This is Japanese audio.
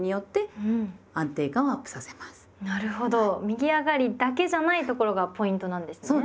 右上がりだけじゃないところがポイントなんですね。